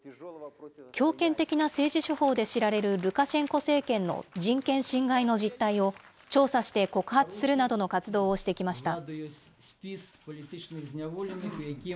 強権的な政治手法で知られるルカシェンコ政権の人権侵害の実態を調査して告発するなどの活動をしてきました。